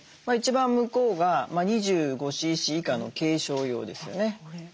一番向こうが２５ｃｃ以下の軽症用ですね。